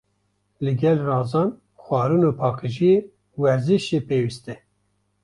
Li gel razan, xwarin û paqijiyê, werzîş jî pêwîst e.